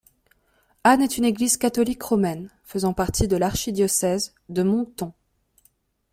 Ann est une église catholique romaine faisant partie de l'archidiocèse de Moncton.